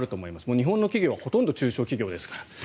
日本の企業はほとんどが中小企業ですから。